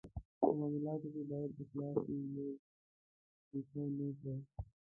په معالاتو کې باید اخلاص وي، یو بل ډیکه نه کړي.